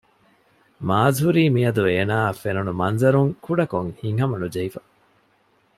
މާޒް ހުރީ މިއަދު އޭނާއަށް ފެނުނު މަންޒަރުން ކުޑަކޮށް ހިތްހަމަނުޖެހިފަ